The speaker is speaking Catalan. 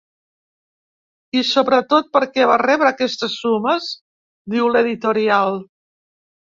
I sobretot per què va rebre aquestes sumes?, diu l’editorial.